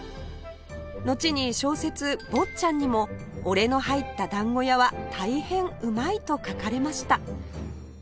のちに小説『坊っちゃん』にも「おれの這入った團子屋は大變うまい」と書かれました